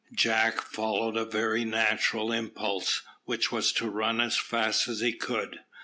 Jack followed a very natural impulse, which was to run as fast as he could.